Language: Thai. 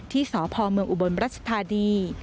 ที่สพเมืองอุบลรัชธานี